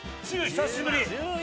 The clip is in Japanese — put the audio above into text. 久しぶり！